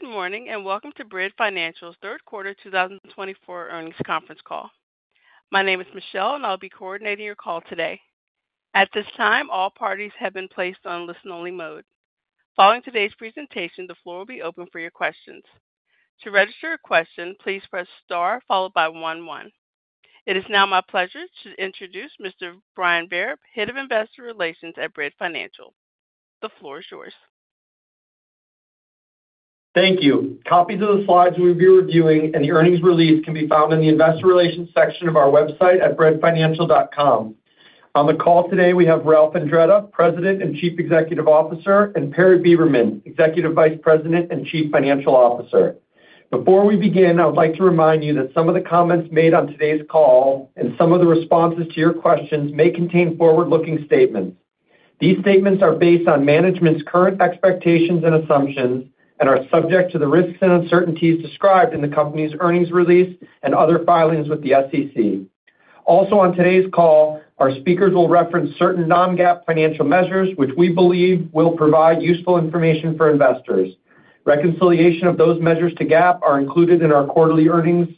Good morning, and welcome to Bread Financial's third quarter two thousand and twenty-four earnings conference call. My name is Michelle, and I'll be coordinating your call today. At this time, all parties have been placed on listen-only mode. Following today's presentation, the floor will be open for your questions. To register a question, please press star followed by one-one. It is now my pleasure to introduce Mr. Brian Vehr, Head of Investor Relations at Bread Financial. The floor is yours. Thank you. Copies of the slides we will be reviewing and the earnings release can be found in the investor relations section of our website at breadfinancial.com. On the call today, we have Ralph Andretta, President and Chief Executive Officer and Perry Beberman Executive Vice President and Chief Financial Officer, and. Before we begin, I would like to remind you that some of the comments made on today's call and some of the responses to your questions may contain forward-looking statements. These statements are based on management's current expectations and assumptions and are subject to the risks and uncertainties described in the company's earnings release and other filings with the SEC. Also, on today's call, our speakers will reference certain non-GAAP financial measures, which we believe will provide useful information for investors. Reconciliation of those measures to GAAP are included in our quarterly earnings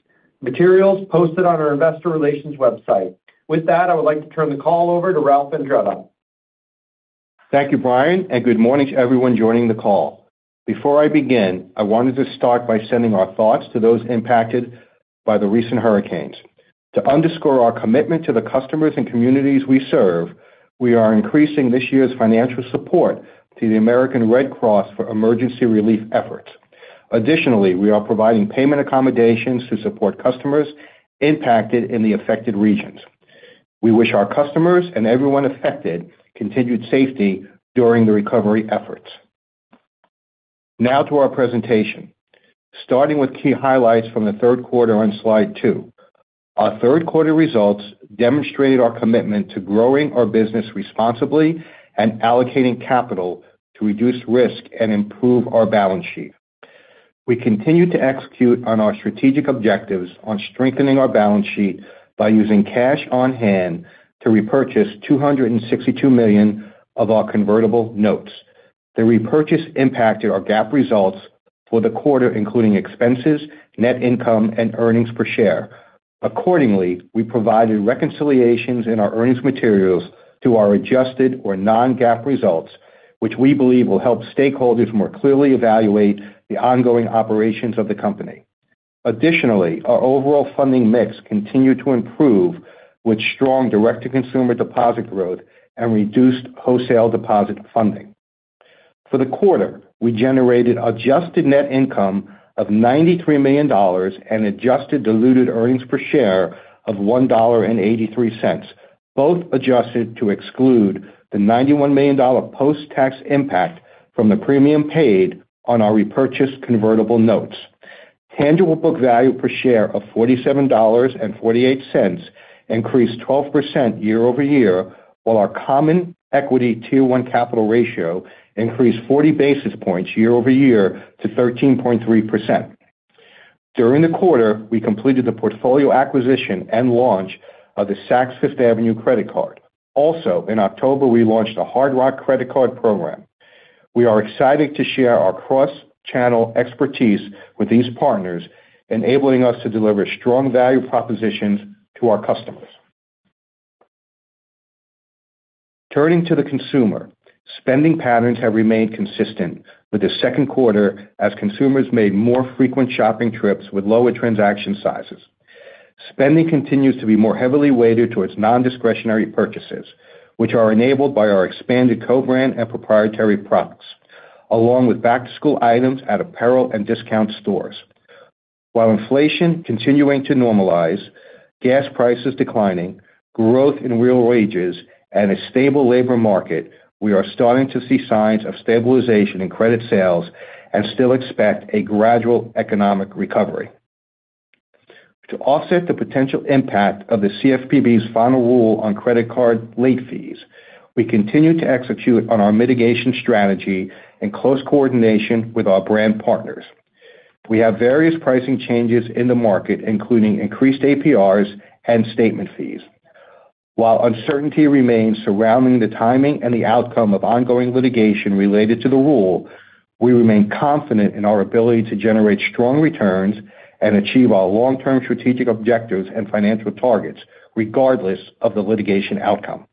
materials posted on our investor relations website. With that, I would like to turn the call over to Ralph Andretta. Thank you, Brian, and good morning to everyone joining the call. Before I begin, I wanted to start by sending our thoughts to those impacted by the recent hurricanes. To underscore our commitment to the customers and communities we serve, we are increasing this year's financial support to the American Red Cross for emergency relief efforts. Additionally, we are providing payment accommodations to support customers impacted in the affected regions. We wish our customers and everyone affected continued safety during the recovery efforts. Now to our presentation. Starting with key highlights from the third quarter on slide two. Our third quarter results demonstrated our commitment to growing our business responsibly and allocating capital to reduce risk and improve our balance sheet. We continue to execute on our strategic objectives on strengthening our balance sheet by using cash on hand to repurchase $262 million of our convertible notes. The repurchase impacted our GAAP results for the quarter, including expenses, net income, and earnings per share. Accordingly, we provided reconciliations in our earnings materials to our adjusted or non-GAAP results, which we believe will help stakeholders more clearly evaluate the ongoing operations of the company. Additionally, our overall funding mix continued to improve with strong direct-to-consumer deposit growth and reduced wholesale deposit funding. For the quarter, we generated adjusted net income of $93 million and adjusted diluted earnings per share of $1.83, both adjusted to exclude the $91 million post-tax impact from the premium paid on our repurchased convertible notes. Tangible book value per share of $47.48 increased 12% year-over-year, while our Common Equity Tier 1 capital ratio increased 40 basis points year-over-year to 13.3%. During the quarter, we completed the portfolio acquisition and launch of the Saks Fifth Avenue Credit Card. Also, in October, we launched a Hard Rock Credit Card program. We are excited to share our cross-channel expertise with these partners, enabling us to deliver strong value propositions to our customers. Turning to the consumer, spending patterns have remained consistent with the second quarter as consumers made more frequent shopping trips with lower transaction sizes. Spending continues to be more heavily weighted towards non-discretionary purchases, which are enabled by our expanded co-brand and proprietary products, along with back-to-school items at apparel and discount stores. While inflation continuing to normalize, gas prices declining, growth in real wages, and a stable labor market, we are starting to see signs of stabilization in credit sales and still expect a gradual economic recovery. To offset the potential impact of the CFPB's final rule on credit card late fees, we continue to execute on our mitigation strategy in close coordination with our brand partners. We have various pricing changes in the market, including increased APRs and statement fees. While uncertainty remains surrounding the timing and the outcome of ongoing litigation related to the rule, we remain confident in our ability to generate strong returns and achieve our long-term strategic objectives and financial targets, regardless of the litigation outcome.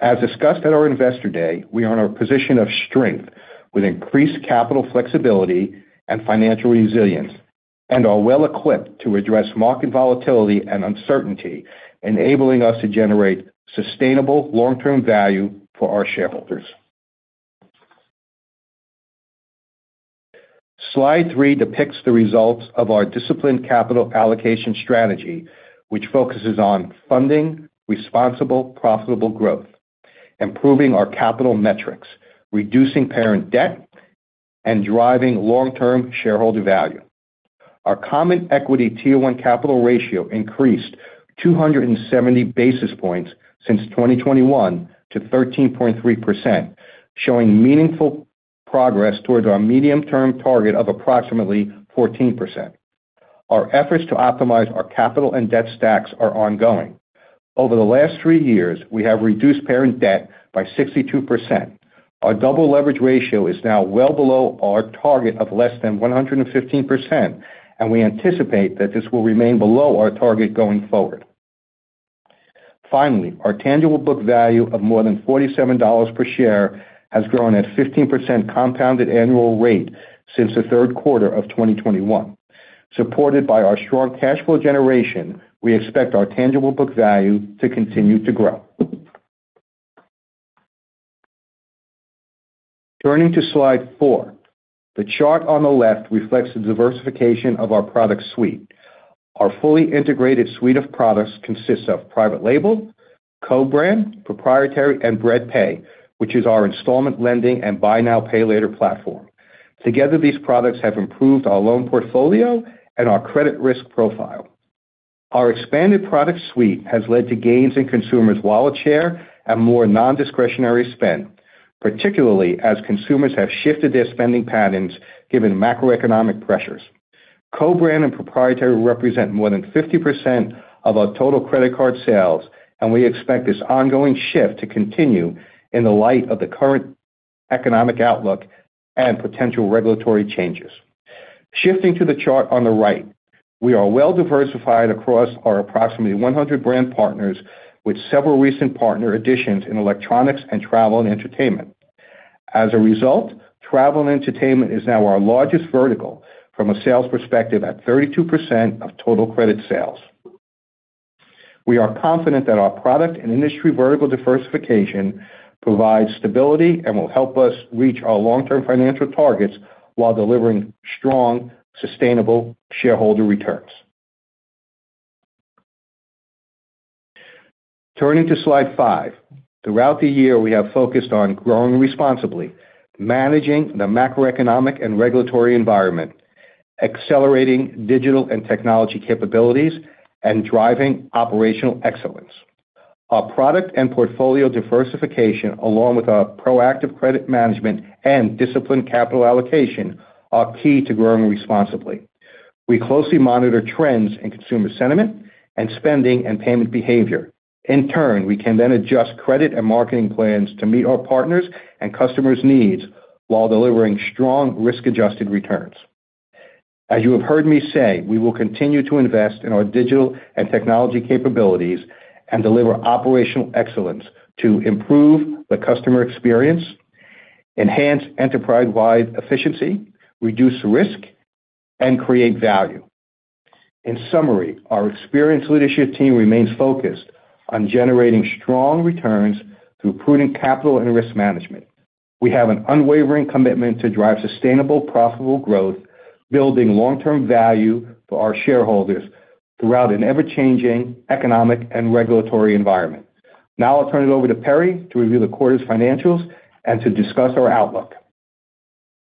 As discussed at our Investor Day, we are in a position of strength with increased capital flexibility and financial resilience, and are well-equipped to address market volatility and uncertainty, enabling us to generate sustainable long-term value for our shareholders. Slide 3 depicts the results of our disciplined capital allocation strategy, which focuses on funding responsible, profitable growth, improving our capital metrics, reducing parent debt, and driving long-term shareholder value. Our Common Equity Tier 1 capital ratio increased 270 basis points since 2021 to 13.3%, showing meaningful progress towards our medium-term target of approximately 14%. Our efforts to optimize our capital and debt stacks are ongoing. Over the last three years, we have reduced parent debt by 62%. Our double leverage ratio is now well below our target of less than 115%, and we anticipate that this will remain below our target going forward. Finally, our tangible book value of more than $47 per share has grown at 15% compounded annual rate since the third quarter of 2021. Supported by our strong cash flow generation, we expect our tangible book value to continue to grow. Turning to Slide four, the chart on the left reflects the diversification of our product suite. Our fully integrated suite of products consists of private label, co-brand, proprietary, and Bread Pay, which is our installment lending and buy now, pay later platform. Together, these products have improved our loan portfolio and our credit risk profile. Our expanded product suite has led to gains in consumers' wallet share and more non-discretionary spend, particularly as consumers have shifted their spending patterns given macroeconomic pressures. Co-brand and proprietary represent more than 50% of our total credit card sales, and we expect this ongoing shift to continue in the light of the current economic outlook and potential regulatory changes. Shifting to the chart on the right, we are well diversified across our approximately one hundred brand partners, with several recent partner additions in electronics and travel and entertainment. As a result, travel and entertainment is now our largest vertical from a sales perspective, at 32% of total credit sales. We are confident that our product and industry vertical diversification provides stability and will help us reach our long-term financial targets while delivering strong, sustainable shareholder returns. Turning to Slide five, throughout the year, we have focused on growing responsibly, managing the macroeconomic and regulatory environment, accelerating digital and technology capabilities, and driving operational excellence. Our product and portfolio diversification, along with our proactive credit management and disciplined capital allocation, are key to growing responsibly. We closely monitor trends in consumer sentiment and spending and payment behavior. In turn, we can then adjust credit and marketing plans to meet our partners' and customers' needs while delivering strong risk-adjusted returns. As you have heard me say, we will continue to invest in our digital and technology capabilities and deliver operational excellence to improve the customer experience, enhance enterprise-wide efficiency, reduce risk, and create value. In summary, our experienced leadership team remains focused on generating strong returns through prudent capital and risk management. We have an unwavering commitment to drive sustainable, profitable growth, building long-term value for our shareholders throughout an ever-changing economic and regulatory environment. Now I'll turn it over to Perry to review the quarter's financials and to discuss our outlook.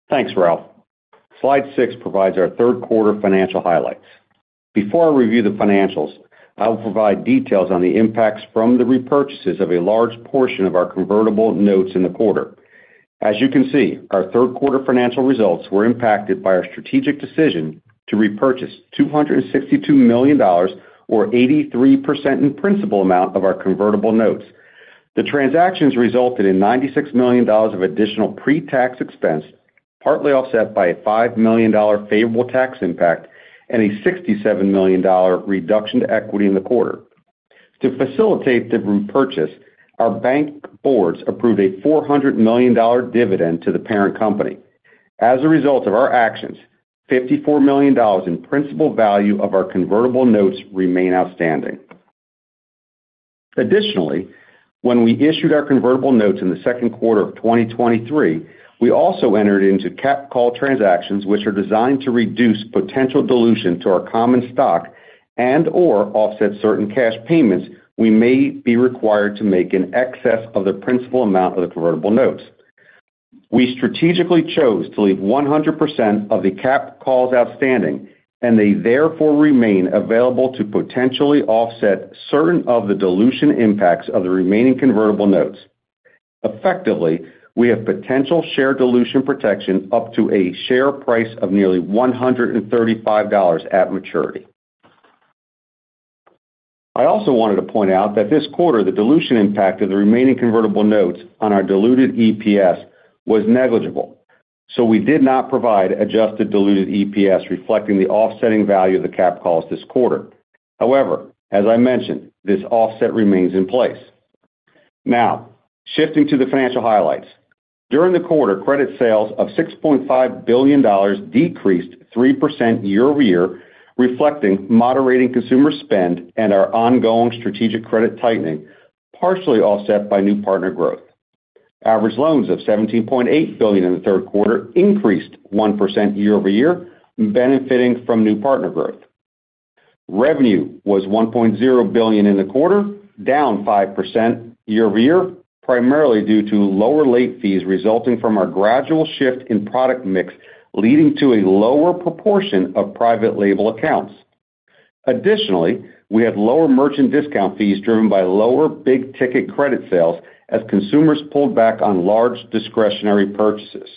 Thanks, Ralph. Slide six provides our third quarter financial highlights. Before I review the financials, I will provide details on the impacts from the repurchases of a large portion of our convertible notes in the quarter. As you can see, our third quarter financial results were impacted by our strategic decision to repurchase $262 million, or 83%, in principal amount of our convertible notes. The transactions resulted in $96 million of additional pre-tax expense, partly offset by a $5 million favorable tax impact and a $67 million reduction to equity in the quarter. To facilitate the repurchase, our bank boards approved a $400 million dividend to the parent company. As a result of our actions, $54 million in principal value of our convertible notes remain outstanding. Additionally, when we issued our convertible notes in the second quarter of 2023, we also entered into capped call transactions, which are designed to reduce potential dilution to our common stock and/or offset certain cash payments we may be required to make in excess of the principal amount of the convertible notes. We strategically chose to leave 100% of the capped calls outstanding, and they therefore remain available to potentially offset certain of the dilution impacts of the remaining convertible notes. Effectively, we have potential share dilution protection up to a share price of nearly $135 at maturity. I also wanted to point out that this quarter, the dilution impact of the remaining convertible notes on our diluted EPS was negligible, so we did not provide adjusted diluted EPS reflecting the offsetting value of the capped calls this quarter. However, as I mentioned, this offset remains in place. Now, shifting to the financial highlights. During the quarter, credit sales of $6.5 billion decreased 3% year-over-year, reflecting moderating consumer spend and our ongoing strategic credit tightening, partially offset by new partner growth. Average loans of $17.8 billion in the third quarter increased 1% year-over-year, benefiting from new partner growth. Revenue was $1.0 billion in the quarter, down 5% year-over-year, primarily due to lower late fees resulting from our gradual shift in product mix, leading to a lower proportion of private label accounts. Additionally, we had lower merchant discount fees driven by lower big-ticket credit sales as consumers pulled back on large discretionary purchases.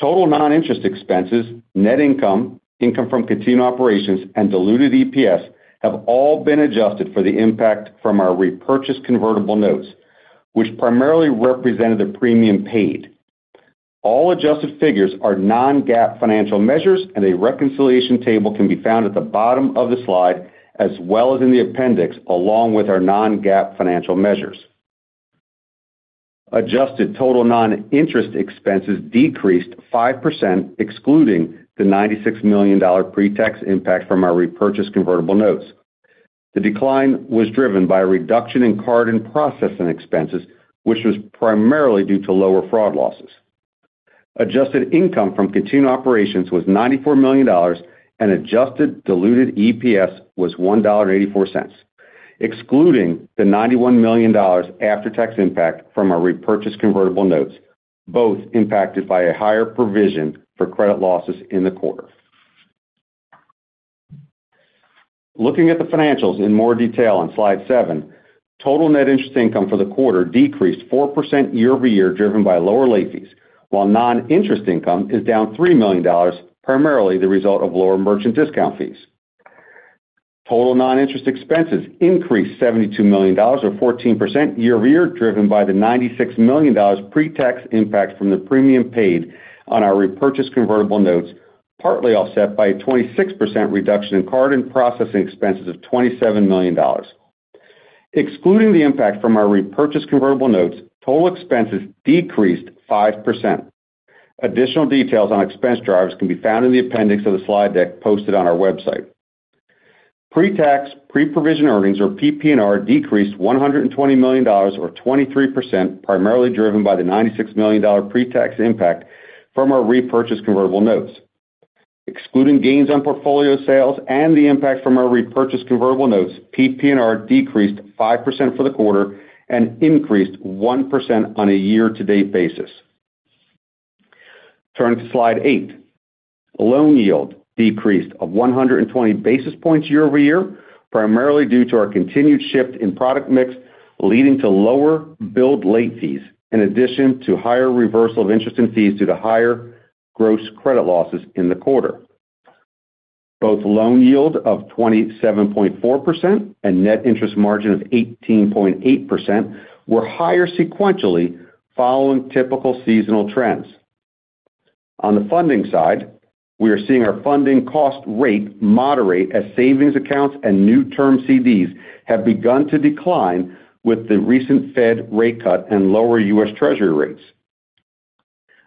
Total non-interest expenses, net income, income from continued operations, and diluted EPS have all been adjusted for the impact from our repurchased convertible notes, which primarily represented the premium paid. All adjusted figures are non-GAAP financial measures, and a reconciliation table can be found at the bottom of the slide, as well as in the appendix, along with our non-GAAP financial measures. Adjusted total non-interest expenses decreased 5%, excluding the $96 million pre-tax impact from our repurchased convertible notes. The decline was driven by a reduction in card and processing expenses, which was primarily due to lower fraud losses. Adjusted income from continued operations was $94 million, and adjusted diluted EPS was $1.84, excluding the $91 million after-tax impact from our repurchased convertible notes, both impacted by a higher provision for credit losses in the quarter. Looking at the financials in more detail on Slide seven, total net interest income for the quarter decreased 4% year-over-year, driven by lower late fees, while non-interest income is down $3 million, primarily the result of lower merchant discount fees. Total non-interest expenses increased $72 million or 14% year-over-year, driven by the $96 million pre-tax impact from the premium paid on our repurchased convertible notes, partly offset by a 26% reduction in card and processing expenses of $27 million. Excluding the impact from our repurchased convertible notes, total expenses decreased 5%. Additional details on expense drivers can be found in the appendix of the slide deck posted on our website. Pre-tax, pre-provision earnings, or PPNR, decreased $120 million or 23%, primarily driven by the $96 million pre-tax impact from our repurchased convertible notes. Excluding gains on portfolio sales and the impact from our repurchased convertible notes, PPNR decreased 5% for the quarter and increased 1% on a year-to-date basis. Turning to Slide 8. Loan yield decreased of 100 basis points year-over-year, primarily due to our continued shift in product mix, leading to lower billed late fees, in addition to higher reversal of interest and fees due to higher gross credit losses in the quarter. Both loan yield of 27.4% and net interest margin of 18.8% were higher sequentially, following typical seasonal trends. On the funding side, we are seeing our funding cost rate moderate as savings accounts and new term CDs have begun to decline with the recent Fed rate cut and lower U.S. Treasury rates.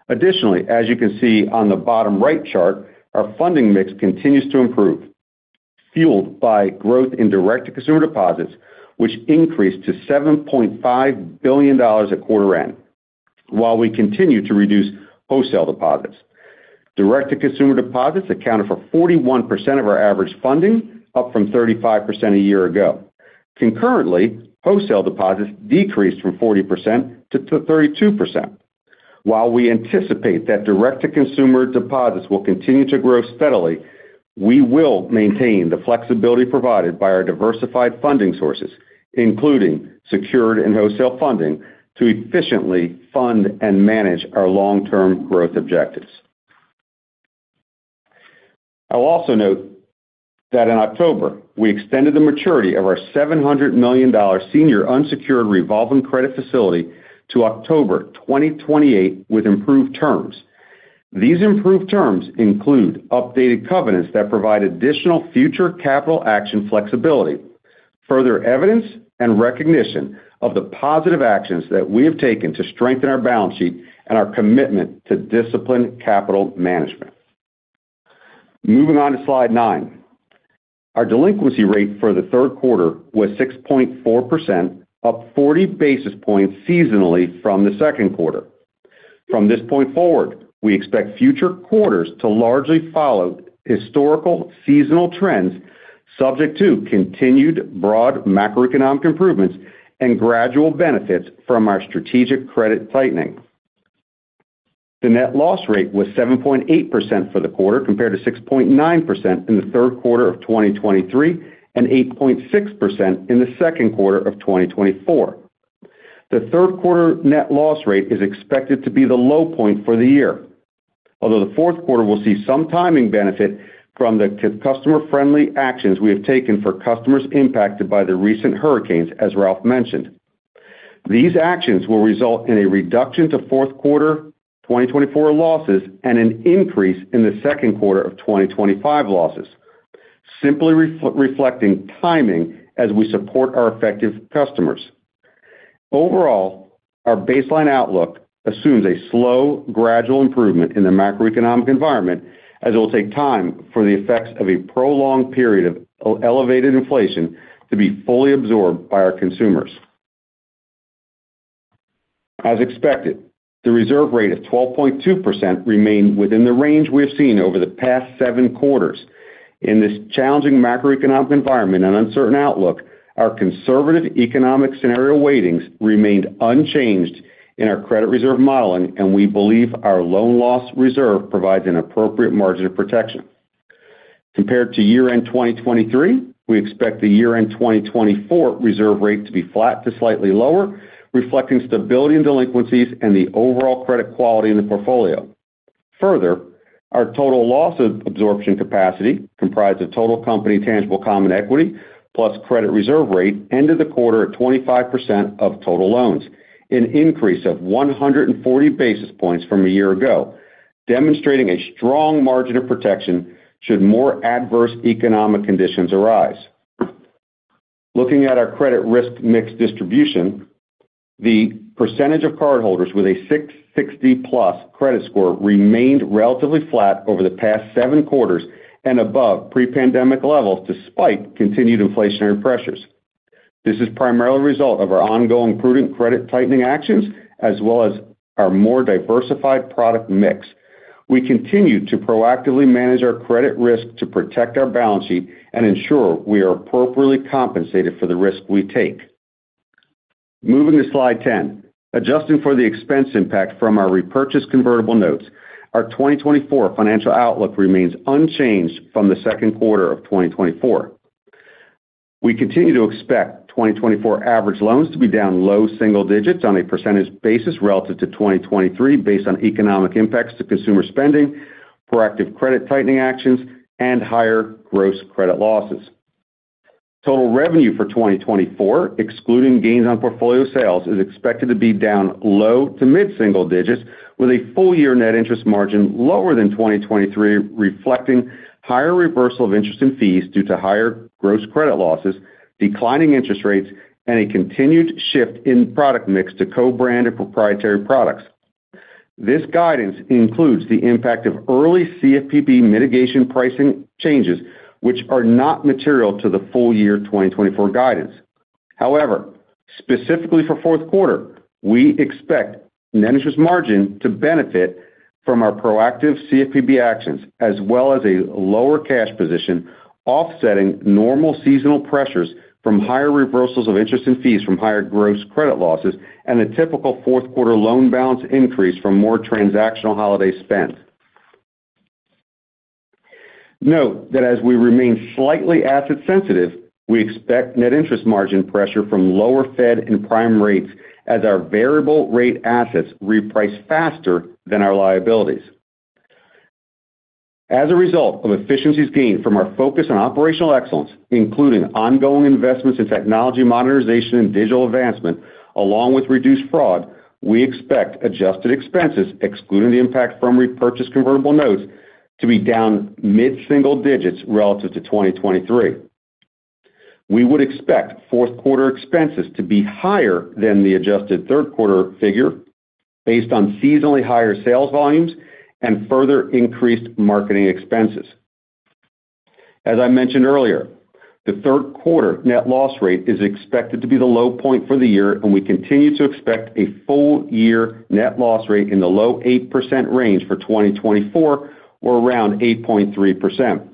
Additionally, as you can see on the bottom right chart, our funding mix continues to improve, fueled by growth in direct-to-consumer deposits, which increased to $7.5 billion at quarter end, while we continue to reduce wholesale deposits. Direct-to-consumer deposits accounted for 41% of our average funding, up from 35% a year ago. Concurrently, wholesale deposits decreased from 40% to 32%. While we anticipate that direct-to-consumer deposits will continue to grow steadily, we will maintain the flexibility provided by our diversified funding sources, including secured and wholesale funding, to efficiently fund and manage our long-term growth objectives. I'll also note that in October, we extended the maturity of our $700 million senior unsecured revolving credit facility to October 2028 with improved terms. These improved terms include updated covenants that provide additional future capital action flexibility, further evidence and recognition of the positive actions that we have taken to strengthen our balance sheet and our commitment to disciplined capital management. Moving on to Slide nine. Our delinquency rate for the third quarter was 6.4%, up 40 basis points seasonally from the second quarter. From this point forward, we expect future quarters to largely follow historical seasonal trends, subject to continued broad macroeconomic improvements and gradual benefits from our strategic credit tightening. The net loss rate was 7.8% for the quarter, compared to 6.9% in the third quarter of 2023 and 8.6% in the second quarter of 2024. The third quarter net loss rate is expected to be the low point for the year, although the fourth quarter will see some timing benefit from the customer-friendly actions we have taken for customers impacted by the recent hurricanes, as Ralph mentioned. These actions will result in a reduction to fourth quarter 2024 losses and an increase in the second quarter of 2025 losses, simply reflecting timing as we support our affected customers. Overall, our baseline outlook assumes a slow, gradual improvement in the macroeconomic environment, as it will take time for the effects of a prolonged period of elevated inflation to be fully absorbed by our consumers. As expected, the reserve rate of 12.2% remained within the range we have seen over the past seven quarters. In this challenging macroeconomic environment and uncertain outlook, our conservative economic scenario weightings remained unchanged in our credit reserve modeling, and we believe our loan loss reserve provides an appropriate margin of protection. Compared to year-end 2023, we expect the year-end 2024 reserve rate to be flat to slightly lower, reflecting stability in delinquencies and the overall credit quality in the portfolio. Further, our total loss absorption capacity, comprised of total company tangible common equity plus credit reserve rate, ended the quarter at 25% of total loans, an increase of 140 basis points from a year ago, demonstrating a strong margin of protection should more adverse economic conditions arise. Looking at our credit risk mix distribution, the percentage of cardholders with a 660-plus credit score remained relatively flat over the past seven quarters and above pre-pandemic levels, despite continued inflationary pressures. This is primarily a result of our ongoing prudent credit tightening actions, as well as our more diversified product mix. We continue to proactively manage our credit risk to protect our balance sheet and ensure we are appropriately compensated for the risk we take. Moving to Slide 10. Adjusting for the expense impact from our repurchased convertible notes, our 2024 financial outlook remains unchanged from the second quarter of 2024. We continue to expect 2024 average loans to be down low single digits on a percentage basis relative to 2023, based on economic impacts to consumer spending, proactive credit tightening actions, and higher gross credit losses. Total revenue for twenty twenty-four, excluding gains on portfolio sales, is expected to be down low to mid-single digits, with a full year net interest margin lower than twenty twenty-three, reflecting higher reversal of interest and fees due to higher gross credit losses, declining interest rates, and a continued shift in product mix to co-brand and proprietary products. This guidance includes the impact of early CFPB mitigation pricing changes, which are not material to the full year twenty twenty-four guidance. However, specifically for fourth quarter, we expect net interest margin to benefit from our proactive CFPB actions, as well as a lower cash position, offsetting normal seasonal pressures from higher reversals of interest and fees from higher gross credit losses and a typical fourth quarter loan balance increase from more transactional holiday spend. Note that as we remain slightly asset sensitive, we expect net interest margin pressure from lower Fed and prime rates as our variable rate assets reprice faster than our liabilities. As a result of efficiencies gained from our focus on operational excellence, including ongoing investments in technology, modernization, and digital advancement, along with reduced fraud, we expect adjusted expenses, excluding the impact from repurchased convertible notes, to be down mid-single digits relative to 2023. We would expect fourth quarter expenses to be higher than the adjusted third quarter figure, based on seasonally higher sales volumes and further increased marketing expenses. As I mentioned earlier, the third quarter net loss rate is expected to be the low point for the year, and we continue to expect a full year net loss rate in the low 8% range for 2024, or around 8.3%.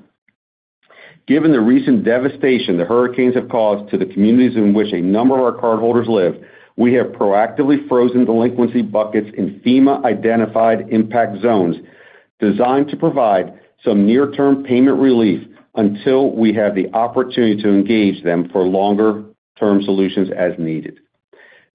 Given the recent devastation the hurricanes have caused to the communities in which a number of our cardholders live, we have proactively frozen delinquency buckets in FEMA-identified impact zones, designed to provide some near-term payment relief until we have the opportunity to engage them for longer-term solutions as needed.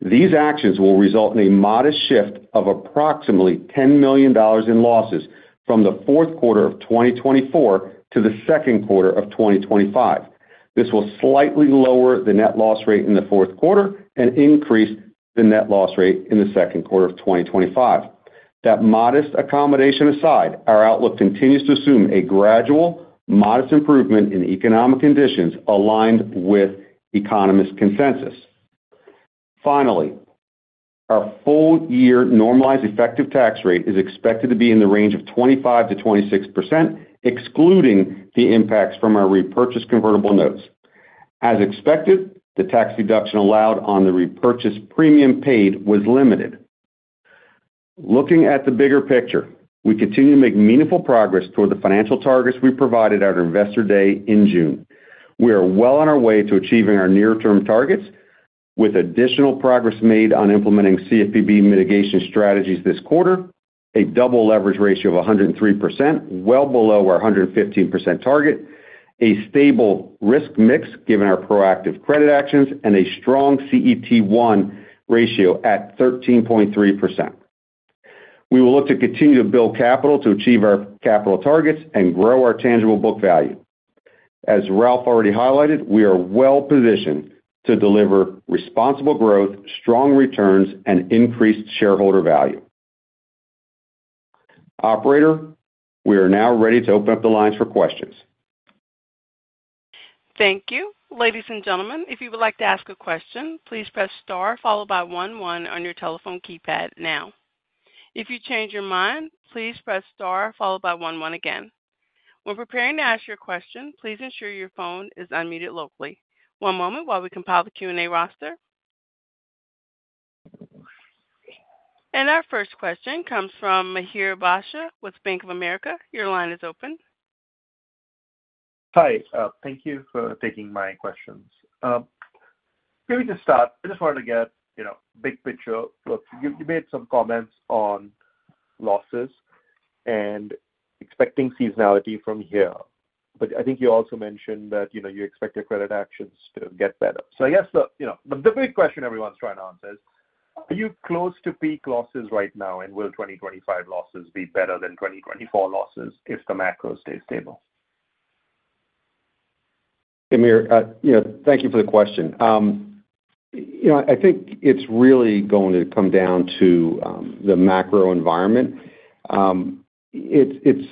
These actions will result in a modest shift of approximately $10 million in losses from the fourth quarter of 2024 to the second quarter of 2025. This will slightly lower the net loss rate in the fourth quarter and increase the net loss rate in the second quarter of 2025. That modest accommodation aside, our outlook continues to assume a gradual, modest improvement in economic conditions aligned with economist consensus. Finally, our full-year normalized effective tax rate is expected to be in the range of 25%-26%, excluding the impacts from our repurchased convertible notes. As expected, the tax deduction allowed on the repurchase premium paid was limited. Looking at the bigger picture, we continue to make meaningful progress toward the financial targets we provided at our Investor Day in June. We are well on our way to achieving our near-term targets, with additional progress made on implementing CFPB mitigation strategies this quarter, a double leverage ratio of 103%, well below our 115% target, a stable risk mix, given our proactive credit actions, and a strong CET1 ratio at 13.3%. We will look to continue to build capital to achieve our capital targets and grow our tangible book value. As Ralph already highlighted, we are well positioned to deliver responsible growth, strong returns, and increased shareholder value. Operator, we are now ready to open up the lines for questions. Thank you. Ladies and gentlemen, if you would like to ask a question, please press star followed by one, one on your telephone keypad now. If you change your mind, please press star followed by one, one again. When preparing to ask your question, please ensure your phone is unmuted locally. One moment while we compile the Q&A roster. And our first question comes from Mihir Bhatia with Bank of America. Your line is open.... Hi, thank you for taking my questions. Maybe to start, I just wanted to get, you know, big picture. Look, you made some comments on losses and expecting seasonality from here, but I think you also mentioned that, you know, you expect your credit actions to get better. So I guess the, you know, big question everyone's trying to answer is, are you close to peak losses right now? And will 2025 losses be better than 2024 losses if the macro stays stable? Mihir, you know, thank you for the question. You know, I think it's really going to come down to the macro environment. It's. You know,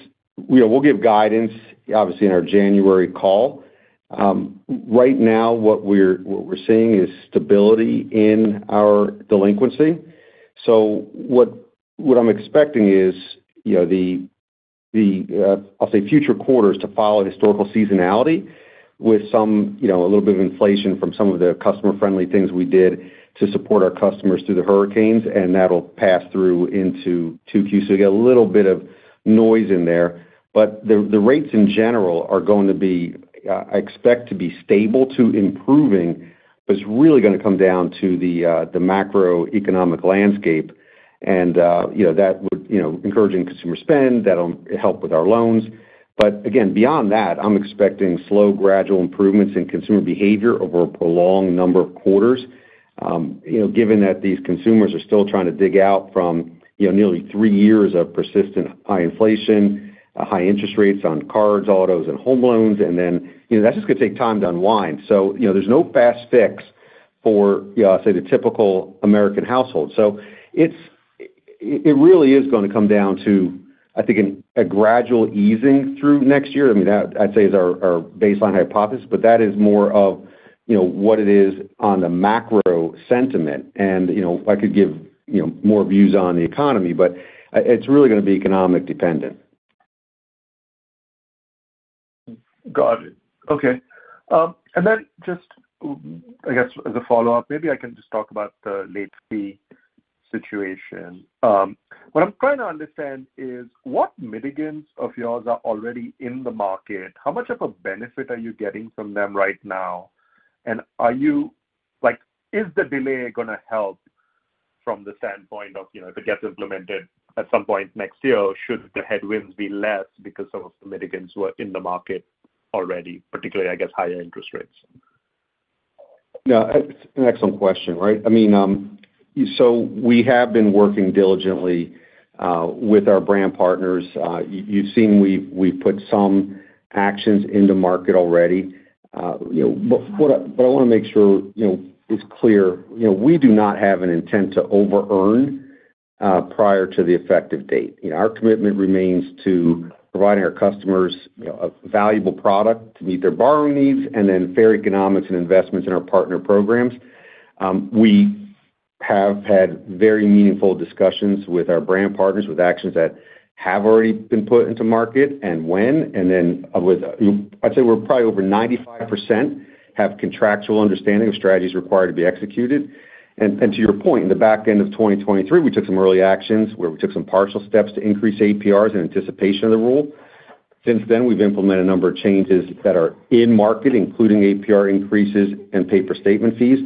we'll give guidance, obviously, in our January call. Right now, what we're seeing is stability in our delinquency. So what I'm expecting is, you know, I'll say, future quarters to follow historical seasonality with some, you know, a little bit of inflation from some of the customer-friendly things we did to support our customers through the hurricanes, and that'll pass through into 2Q. So you get a little bit of noise in there. But the rates, in general, are going to be, I expect to be stable to improving. But it's really gonna come down to the macroeconomic landscape. And you know, that would, you know, encouraging consumer spend, that'll help with our loans. But again, beyond that, I'm expecting slow, gradual improvements in consumer behavior over a prolonged number of quarters. You know, given that these consumers are still trying to dig out from, you know, nearly three years of persistent high inflation, high interest rates on cards, autos, and home loans, and then, you know, that's just gonna take time to unwind. So, you know, there's no fast fix for, you know, I'll say, the typical American household. So it's really gonna come down to, I think, a gradual easing through next year. I mean, that I'd say is our baseline hypothesis, but that is more of, you know, what it is on the macro sentiment. You know, I could give, you know, more views on the economy, but it's really gonna be economically dependent. Got it. Okay. And then just, I guess, as a follow-up, maybe I can just talk about the late fee situation. What I'm trying to understand is what mitigants of yours are already in the market? How much of a benefit are you getting from them right now? And are you like, is the delay gonna help from the standpoint of, you know, if it gets implemented at some point next year, should the headwinds be less because some of the mitigants were in the market already, particularly, I guess, higher interest rates? No, it's an excellent question, right? I mean, so we have been working diligently with our brand partners. You've seen we've put some actions into market already. You know, but what I wanna make sure, you know, it's clear, you know, we do not have an intent to overearn prior to the effective date. You know, our commitment remains to providing our customers, you know, a valuable product to meet their borrowing needs, and then fair economics and investments in our partner programs. We have had very meaningful discussions with our brand partners, with actions that have already been put into market and when, and then with, you know. I'd say we're probably over 95%, have contractual understanding of strategies required to be executed. To your point, in the back end of 2023, we took some early actions where we took some partial steps to increase APRs in anticipation of the rule. Since then, we've implemented a number of changes that are in market, including APR increases and paper statement fees.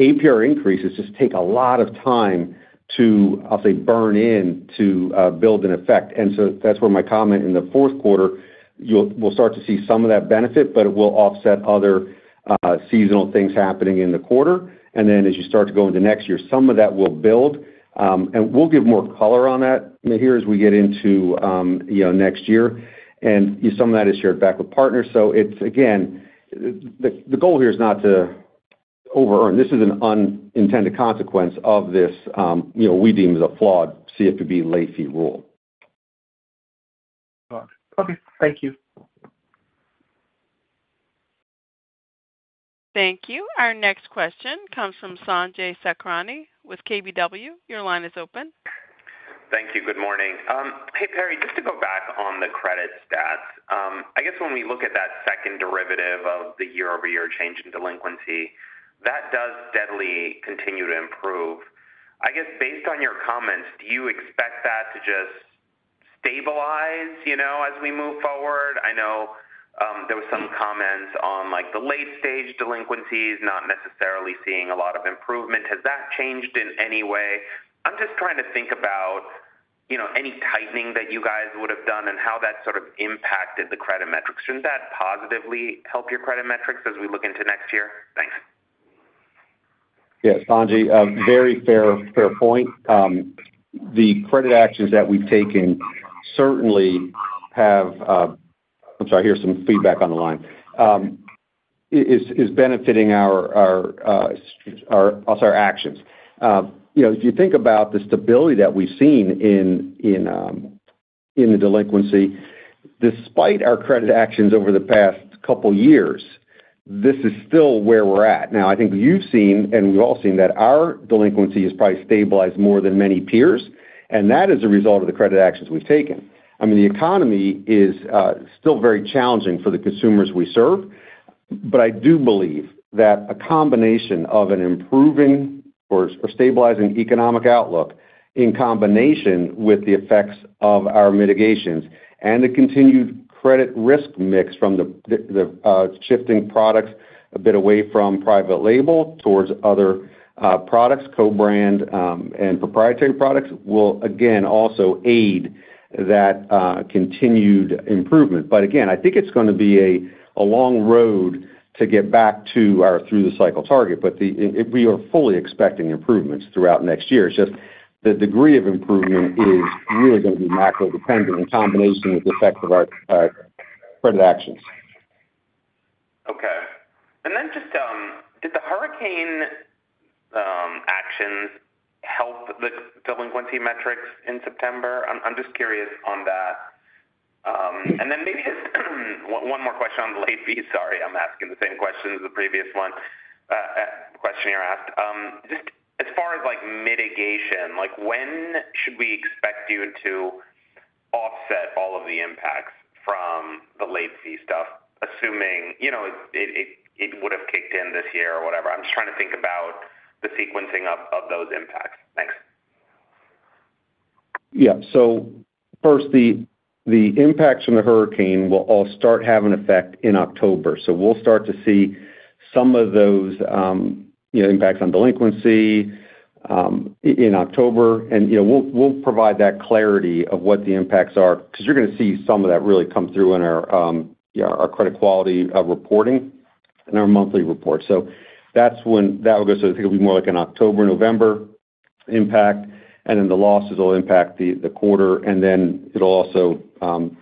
APR increases just take a lot of time to, I'll say, burn in, to build an effect. And so that's where my comment in the fourth quarter, we'll start to see some of that benefit, but it will offset other seasonal things happening in the quarter. And then as you start to go into next year, some of that will build. And we'll give more color on that here as we get into you know next year. And some of that is shared back with partners. It's again, the goal here is not to overearn. This is an unintended consequence of this, you know, we deem as a flawed CFPB late fee rule. Got it. Okay, thank you. Thank you. Our next question comes from Sanjay Sakrani with KBW. Your line is open. Thank you. Good morning. Hey, Perry, just to go back on the credit stats. I guess when we look at that second derivative of the year-over-year change in delinquency, that does steadily continue to improve. I guess, based on your comments, do you expect that to just stabilize, you know, as we move forward? I know, there was some comments on, like, the late-stage delinquencies, not necessarily seeing a lot of improvement. Has that changed in any way? I'm just trying to think about, you know, any tightening that you guys would have done and how that sort of impacted the credit metrics. Shouldn't that positively help your credit metrics as we look into next year? Thanks. Yes, Sanjay, a very fair, fair point. The credit actions that we've taken certainly have... I'm sorry, I hear some feedback on the line. Is benefiting our actions. You know, if you think about the stability that we've seen in the delinquency, despite our credit actions over the past couple years, this is still where we're at. Now, I think you've seen, and we've all seen, that our delinquency has probably stabilized more than many peers, and that is a result of the credit actions we've taken. I mean, the economy is still very challenging for the consumers we serve.... But I do believe that a combination of an improving or stabilizing economic outlook, in combination with the effects of our mitigations and the continued credit risk mix from the shifting products a bit away from private label towards other products, co-brand, and proprietary products, will again also aid that continued improvement. But again, I think it's going to be a long road to get back to our through-the-cycle target, but we are fully expecting improvements throughout next year. It's just the degree of improvement is really going to be macro-dependent in combination with the effect of our credit actions. Okay. And then just, did the hurricane actions help the delinquency metrics in September? I'm just curious on that. And then maybe just one more question on the late fees. Sorry, I'm asking the same question as the previous one, questioner asked. Just as far as, like, mitigation, like, when should we expect you to offset all of the impacts from the late fee stuff, assuming, you know, it would have kicked in this year or whatever? I'm just trying to think about the sequencing of those impacts. Thanks. Yeah. So first, the impacts from the hurricane will all start having effect in October. So we'll start to see some of those, you know, impacts on delinquency in October, and, you know, we'll provide that clarity of what the impacts are, because you're going to see some of that really come through in our, you know, our credit quality reporting in our monthly report. So that's when that will go. So I think it'll be more like an October, November impact, and then the losses will impact the quarter, and then it'll also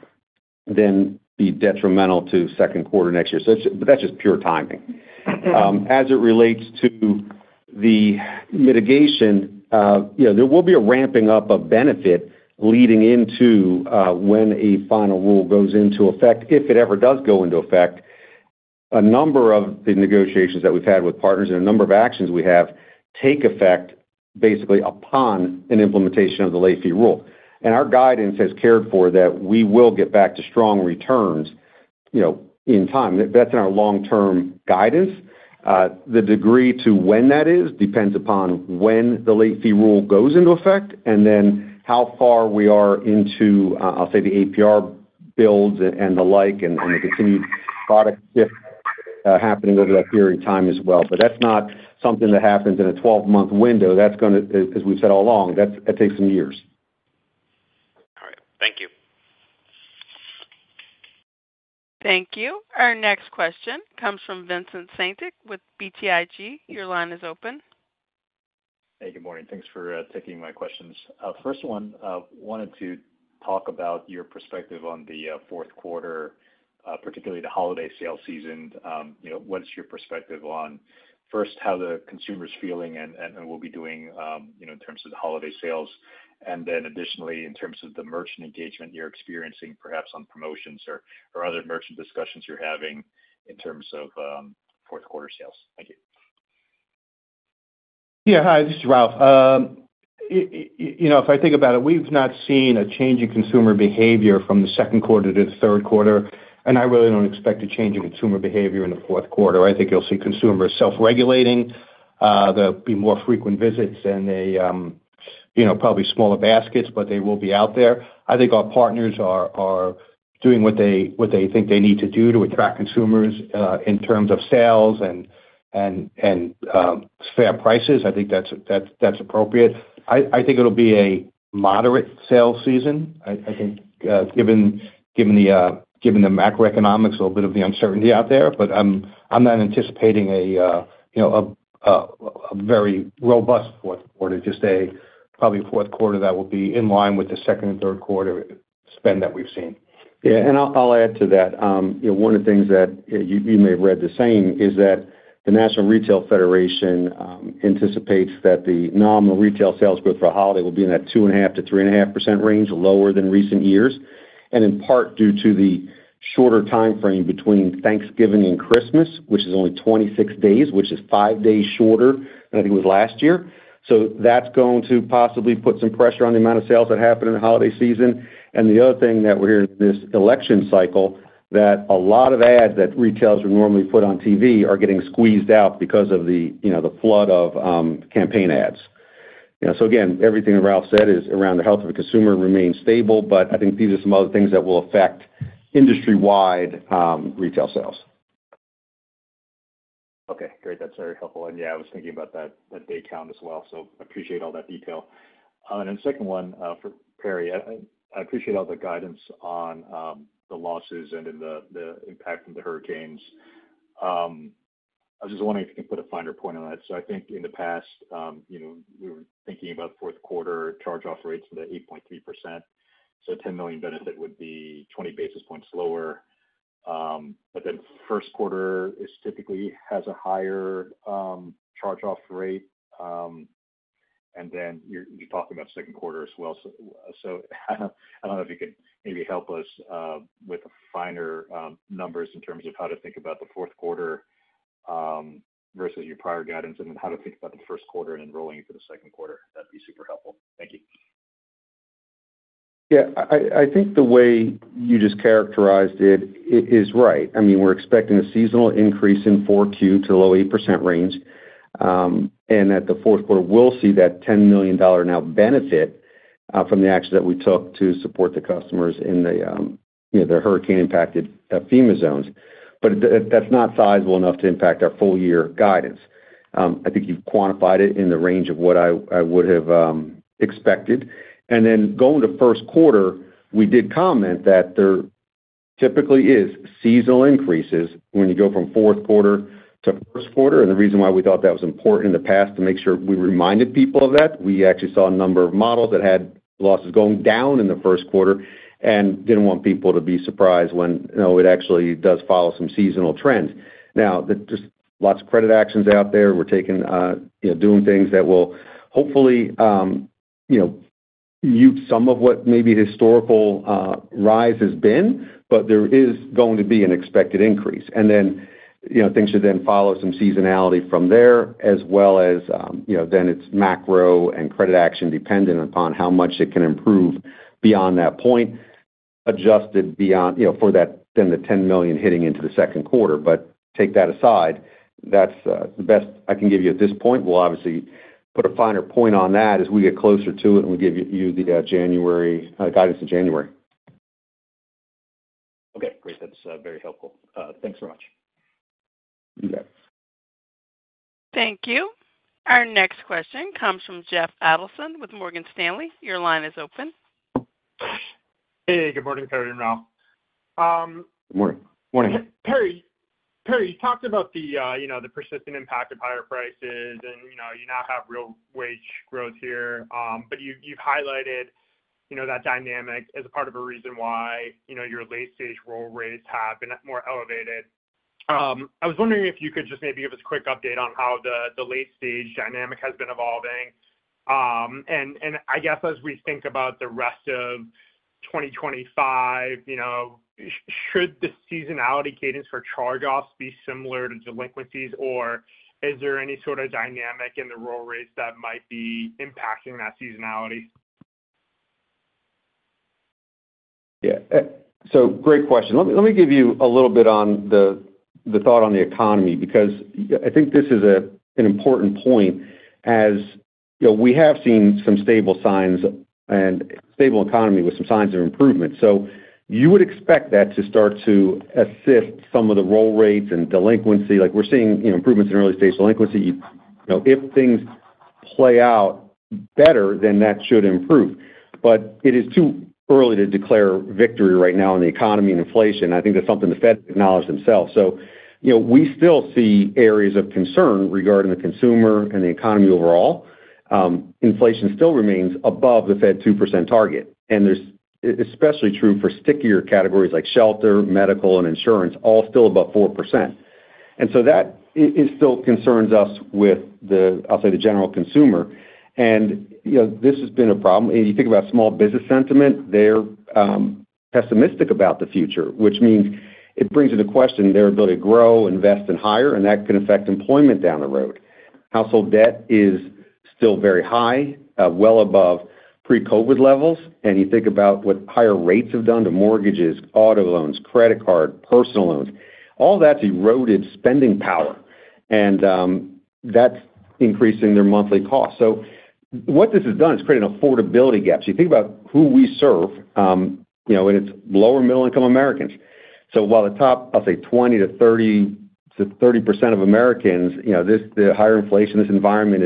then be detrimental to second quarter next year. So it's, but that's just pure timing. As it relates to the mitigation, you know, there will be a ramping up of benefit leading into when a final rule goes into effect, if it ever does go into effect. A number of the negotiations that we've had with partners and a number of actions we have to take effect basically upon an implementation of the late fee rule. And our guidance has accounted for that we will get back to strong returns, you know, in time. That's in our long-term guidance. The degree to when that is depends upon when the late fee rule goes into effect, and then how far we are into, I'll say, the APR builds and the like, and the continued product shift happening over that period of time as well. But that's not something that happens in a twelve-month window. That's going to... As we've said all along, that takes some years. All right. Thank you. Thank you. Our next question comes from Vincent Caintic, with BTIG Your line is open. Hey, good morning. Thanks for taking my questions. First one, wanted to talk about your perspective on the fourth quarter, particularly the holiday sales season. You know, what is your perspective on, first, how the consumer's feeling and will be doing, you know, in terms of the holiday sales, and then additionally, in terms of the merchant engagement you're experiencing, perhaps on promotions or other merchant discussions you're having in terms of fourth quarter sales? Thank you. Yeah. Hi, this is Ralph. You know, if I think about it, we've not seen a change in consumer behavior from the second quarter to the third quarter, and I really don't expect a change in consumer behavior in the fourth quarter. I think you'll see consumers self-regulating. There'll be more frequent visits and, you know, probably smaller baskets, but they will be out there. I think our partners are doing what they think they need to do to attract consumers in terms of sales and fair prices. I think that's appropriate. I think it'll be a moderate sales season. I think, given the macroeconomics, a little bit of the uncertainty out there. But I'm not anticipating, you know, a very robust fourth quarter, just probably a fourth quarter that will be in line with the second and third quarter spend that we've seen. Yeah, and I'll add to that. You know, one of the things that you may have read the same is that the National Retail Federation anticipates that the nominal retail sales growth for holiday will be in that 2.5%-3.5% range, lower than recent years, and in part due to the shorter timeframe between Thanksgiving and Christmas, which is only 26 days, which is five days shorter than it was last year. So that's going to possibly put some pressure on the amount of sales that happen in the holiday season. The other thing that we're in this election cycle, that a lot of ads that retailers would normally put on TV are getting squeezed out because of the, you know, the flood of, campaign ads. You know, so again, everything that Ralph said is around the health of the consumer remains stable, but I think these are some other things that will affect industry-wide retail sales. Okay, great. That's very helpful. And yeah, I was thinking about that, that day count as well, so appreciate all that detail. And then second one, for Perry. I appreciate all the guidance on the losses and then the impact from the hurricanes. I was just wondering if you could put a finer point on that. So I think in the past, you know, we were thinking about fourth quarter charge-off rates to the 8.3%. So $10 million benefit would be 20 basis points lower. But then first quarter is typically has a higher charge-off rate, and then you talked about second quarter as well. I don't know if you could maybe help us with the finer numbers in terms of how to think about the fourth quarter versus your prior guidance, and then how to think about the first quarter and then rolling into the second quarter. That'd be super helpful. Thank you.... Yeah, I think the way you just characterized it, it is right. I mean, we're expecting a seasonal increase in 4Q to low 8% range. And at the fourth quarter, we'll see that $10 million net benefit from the actions that we took to support the customers in the, you know, the hurricane-impacted FEMA zones. But that, that's not sizable enough to impact our full year guidance. I think you've quantified it in the range of what I would have expected. And then going to first quarter, we did comment that there typically is seasonal increases when you go from fourth quarter to first quarter. And the reason why we thought that was important in the past, to make sure we reminded people of that, we actually saw a number of models that had losses going down in the first quarter and didn't want people to be surprised when, you know, it actually does follow some seasonal trends. Now, there's lots of credit actions out there. We're taking, you know, doing things that will hopefully, you know, mute some of what maybe historical, rise has been, but there is going to be an expected increase. And then, you know, things should then follow some seasonality from there, as well as, you know, then it's macro and credit action, dependent upon how much it can improve beyond that point, adjusted beyond, you know, for that than the ten million hitting into the second quarter. But take that aside, that's the best I can give you at this point. We'll obviously put a finer point on that as we get closer to it, and we'll give you the January guidance in January. Okay, great. That's very helpful. Thanks so much. You bet. Thank you. Our next question comes from Jeffrey Adelson from Morgan Stanley. Your line is open. Hey, good morning, Perry and Ralph. Good morning. Morning. Perry, you talked about the, you know, the persistent impact of higher prices and, you know, you now have real wage growth here. But you've highlighted, you know, that dynamic as a part of a reason why, you know, your late stage roll rates have been more elevated. I was wondering if you could just maybe give us a quick update on how the late stage dynamic has been evolving. And, I guess, as we think about the rest of twenty twenty-five, you know, should the seasonality cadence for charge-offs be similar to delinquencies, or is there any sort of dynamic in the roll rates that might be impacting that seasonality? Yeah. So great question. Let me give you a little bit on the thought on the economy, because I think this is an important point. As you know, we have seen some stable signs and stable economy with some signs of improvement. So you would expect that to start to assist some of the roll rates and delinquency. Like, we're seeing, you know, improvements in early stage delinquency. You know, if things play out better, then that should improve. But it is too early to declare victory right now in the economy and inflation. I think that's something the Fed acknowledged themselves. So, you know, we still see areas of concern regarding the consumer and the economy overall. Inflation still remains above the Fed 2% target, and there's especially true for stickier categories like shelter, medical and insurance, all still above 4%. And so that it still concerns us with the, I'll say, the general consumer. And, you know, this has been a problem. If you think about small business sentiment, they're pessimistic about the future, which means it brings into question their ability to grow, invest and hire, and that can affect employment down the road. Household debt is still very high, well above pre-COVID levels. And you think about what higher rates have done to mortgages, auto loans, credit card, personal loans, all that's eroded spending power, and, that's increasing their monthly costs. So what this has done is create an affordability gap. So you think about who we serve, you know, and it's lower middle-income Americans. So while the top, I'll say 20%-30% of Americans, you know, this, the higher inflation, this environment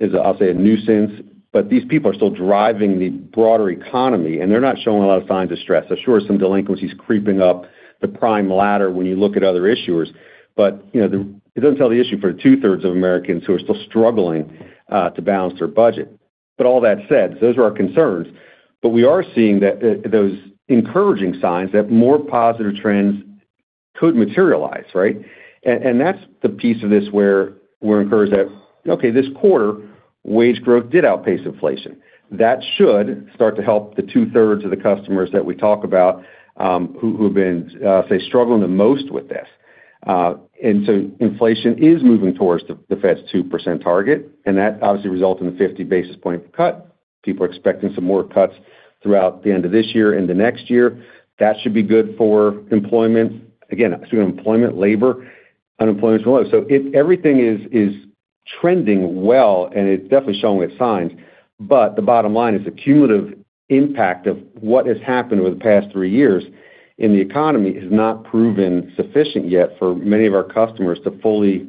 is, I'll say, a nuisance, but these people are still driving the broader economy, and they're not showing a lot of signs of stress. There's sure some delinquencies creeping up the prime ladder when you look at other issuers. But, you know, it doesn't tell the issue for two-thirds of Americans who are still struggling to balance their budget. But all that said, those are our concerns, but we are seeing that those encouraging signs that more positive trends could materialize, right? And that's the piece of this where we're encouraged that, okay, this quarter, wage growth did outpace inflation. That should start to help the two-thirds of the customers that we talk about, who have been, say, struggling the most with this, and so inflation is moving towards the Fed's 2% target, and that obviously results in a 50 basis point cut. People are expecting some more cuts throughout the end of this year and the next year. That should be good for employment. Again, employment, labor, unemployment is low. So if everything is trending well, and it's definitely showing its signs, but the bottom line is the cumulative impact of what has happened over the past three years in the economy has not proven sufficient yet for many of our customers to fully,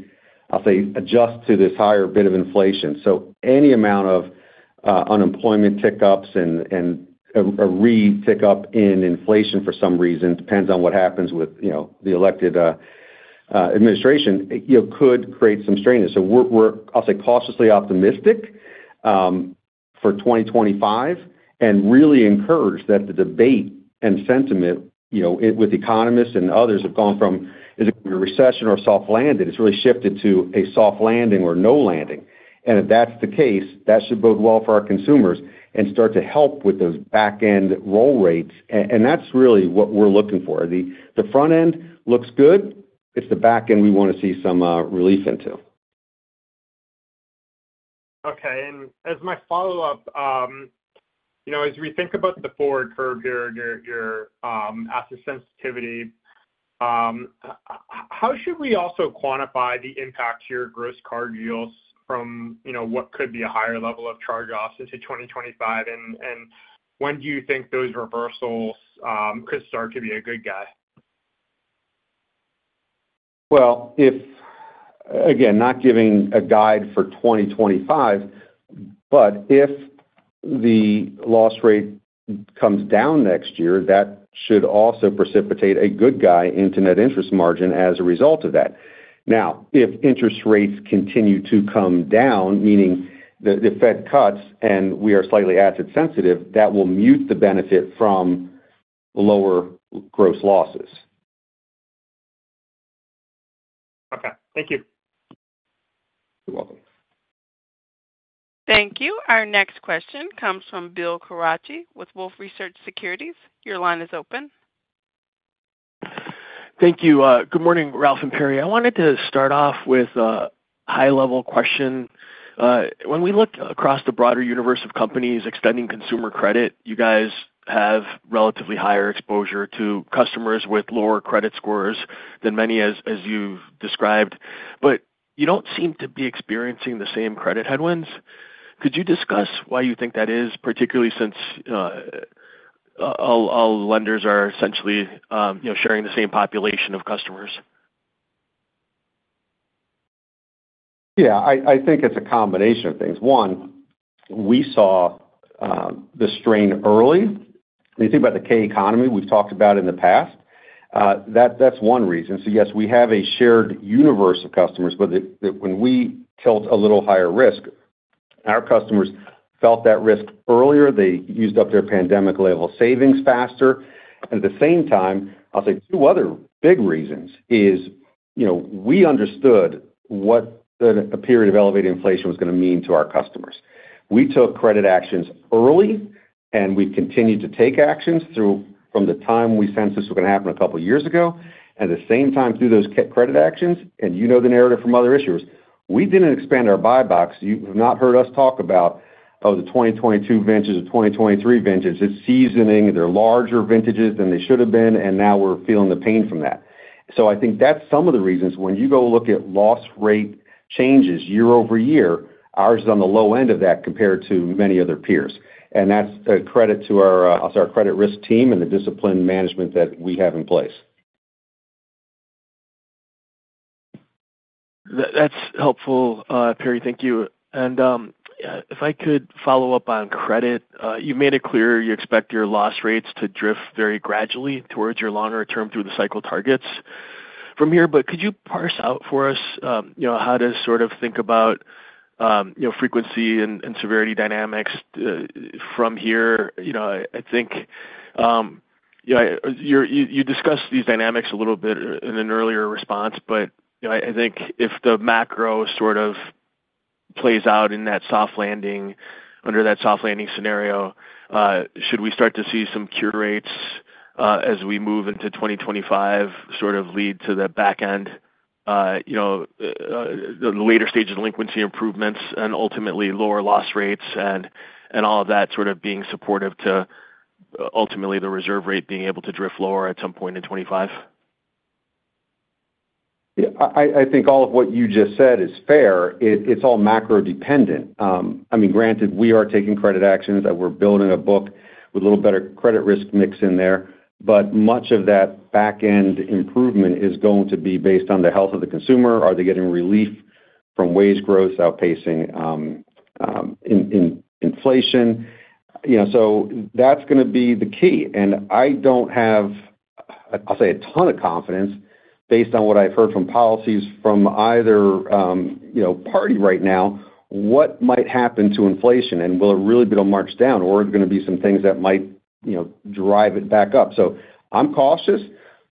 I'll say, adjust to this higher bit of inflation. So any amount of unemployment tick-ups and a re-tick-up in inflation for some reason depends on what happens with, you know, the elected administration, you know, could create some strain. So we're, I'll say, cautiously optimistic for twenty twenty-five and really encouraged that the debate and sentiment, you know, with economists and others have gone from, is it a recession or soft landing? It's really shifted to a soft landing or no landing. And if that's the case, that should bode well for our consumers and start to help with those back end roll rates. And that's really what we're looking for. The front end looks good. It's the back end we want to see some relief into.... Okay, and as my follow-up, you know, as we think about the forward curve here, your asset sensitivity, how should we also quantify the impact to your gross card yields from what could be a higher level of charge-offs into twenty twenty-five? And when do you think those reversals could start to be a good guy? If, again, not giving a guide for 2025, but if the loss rate comes down next year, that should also precipitate a good upside into net interest margin as a result of that. Now, if interest rates continue to come down, meaning the Fed cuts, and we are slightly asset sensitive, that will mute the benefit from lower gross losses. Okay, thank you. You're welcome. Thank you. Our next question comes from Bill Carcache with Wolfe Research. Your line is open. Thank you. Good morning, Ralph and Perry. I wanted to start off with a high-level question. When we look across the broader universe of companies extending consumer credit, you guys have relatively higher exposure to customers with lower credit scores than many, as you've described, but you don't seem to be experiencing the same credit headwinds. Could you discuss why you think that is, particularly since all lenders are essentially, you know, sharing the same population of customers? Yeah, I think it's a combination of things. One, we saw the strain early. When you think about the K economy we've talked about in the past, that's one reason. So yes, we have a shared universe of customers, but when we tilt a little higher risk, our customers felt that risk earlier. They used up their pandemic-level savings faster. And at the same time, I'll say two other big reasons is, you know, we understood what the period of elevated inflation was going to mean to our customers. We took credit actions early, and we continued to take actions through from the time we sensed this was going to happen a couple of years ago, and at the same time, through those credit actions, and you know the narrative from other issuers, we didn't expand our buy box. You have not heard us talk about, oh, the 2022 vintages or 2023 vintages. It's seasoning. They're larger vintages than they should have been, and now we're feeling the pain from that. So I think that's some of the reasons when you go look at loss rate changes year-over-year, ours is on the low end of that compared to many other peers. And that's a credit to our our credit risk team and the disciplined management that we have in place. That's helpful, Perry, thank you. And, if I could follow up on credit. You made it clear you expect your loss rates to drift very gradually towards your longer term through the cycle targets from here, but could you parse out for us, you know, how to sort of think about, you know, frequency and severity dynamics from here? You know, I think, yeah, you discussed these dynamics a little bit in an earlier response, but, you know, I think if the macro sort of plays out in that soft landing, under that soft landing scenario, should we start to see some cure rates, as we move into twenty twenty-five, sort of lead to the back end, you know, the later stage of delinquency improvements and ultimately lower loss rates and, and all of that sort of being supportive to ultimately the reserve rate being able to drift lower at some point in twenty-five? Yeah, I think all of what you just said is fair. It's all macro-dependent. I mean, granted, we are taking credit actions, and we're building a book with a little better credit risk mix in there, but much of that back-end improvement is going to be based on the health of the consumer. Are they getting relief from wage growth outpacing inflation? You know, so that's going to be the key, and I don't have, I'll say, a ton of confidence based on what I've heard from policies from either party right now, what might happen to inflation, and will it really be a march down, or are there going to be some things that might, you know, drive it back up? So I'm cautious,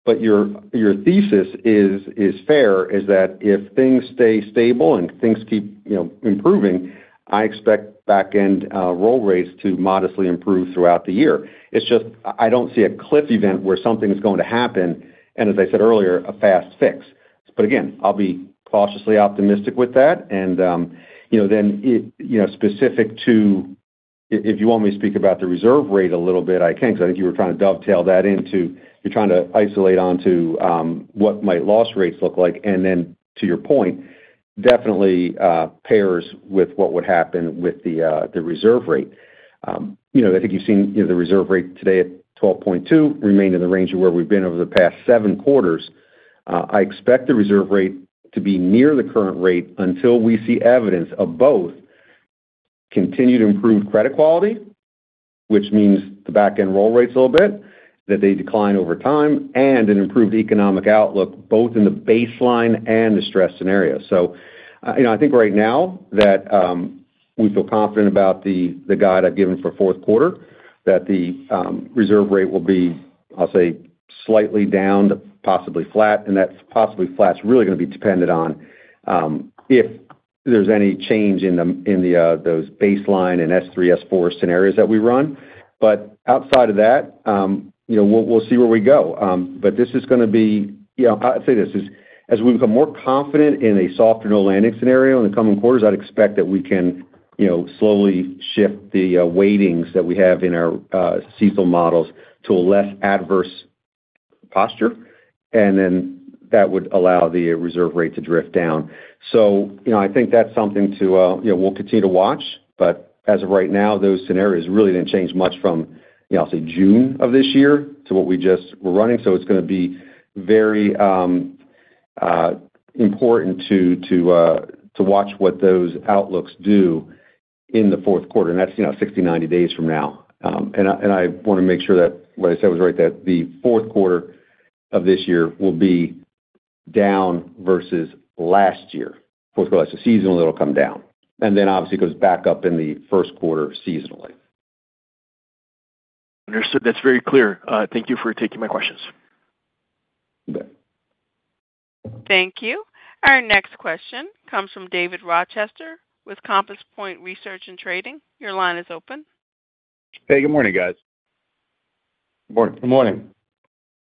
but your thesis is fair, that if things stay stable and things keep, you know, improving, I expect back-end roll rates to modestly improve throughout the year. It's just, I don't see a cliff event where something's going to happen, and as I said earlier, a fast fix. But again, I'll be cautiously optimistic with that. And, you know, then, it, you know, specific to... If you want me to speak about the reserve rate a little bit, I can, because I think you were trying to dovetail that into, you're trying to isolate onto, what might loss rates look like. And then to your point, definitely, pairs with what would happen with the reserve rate. You know, I think you've seen, you know, the reserve rate today at 12.2 remain in the range of where we've been over the past seven quarters. I expect the reserve rate to be near the current rate until we see evidence of both continued improved credit quality, which means the back-end roll rates a little bit, that they decline over time and an improved economic outlook, both in the baseline and the stress scenario. You know, I think right now that we feel confident about the guide I've given for fourth quarter, that the reserve rate will be, I'll say, slightly down to possibly flat, and that's possibly flat is really going to be dependent on if there's any change in the those baseline and S3, S4 scenarios that we run. But outside of that, you know, we'll see where we go. But this is going to be. You know, I'd say this is, as we become more confident in a soft or no landing scenario in the coming quarters, I'd expect you know, slowly shift the weightings that we have in our CECL models to a less adverse posture, and then that would allow the reserve rate to drift down. So, you know, I think that's something to you know, we'll continue to watch, but as of right now, those scenarios really didn't change much from, you know, say, June of this year to what we just were running. So it's going to be very important to watch what those outlooks do in the fourth quarter, and that's, you know, 60, 90 days from now. I want to make sure that what I said was right, that the fourth quarter of this year will be down versus last year. Fourth quarter, seasonally, it'll come down, and then obviously goes back up in the first quarter seasonally. Understood. That's very clear. Thank you for taking my questions. You bet. Thank you. Our next question comes from David Rochester with Compass Point Research & Trading. Your line is open. Hey, good morning, guys. Good morning. Good morning.